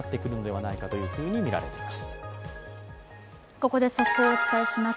ここで速報をお伝えします。